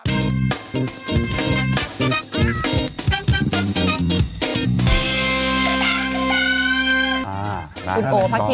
อ้าวไอ้ผีกูจะไปรู้เรื่องก็ได้ยังไง